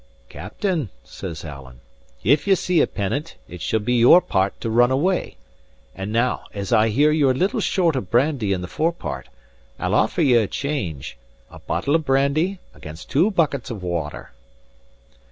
"Captain," says Alan, "if ye see a pennant, it shall be your part to run away. And now, as I hear you're a little short of brandy in the fore part, I'll offer ye a change: a bottle of brandy against two buckets of water."